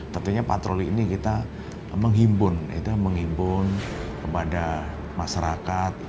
tentunya patroli ini kita menghimpun kepada masyarakat